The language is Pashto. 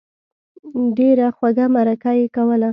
ډېره خوږه مرکه یې کوله.